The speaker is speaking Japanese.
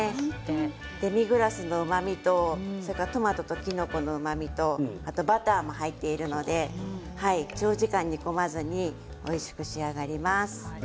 デミグラスのうまみとトマトと、きのこのうまみとあとバターも入っているので長時間煮込まずにおいしく仕上がります。